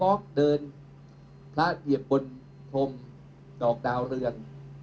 เดินพระเหยียบบนพรมดอกดาวเรือง